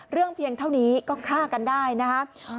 เพียงเท่านี้ก็ฆ่ากันได้นะครับ